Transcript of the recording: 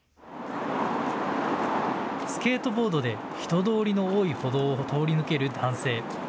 スケートボードで人通りの多い歩道を通り抜ける男性。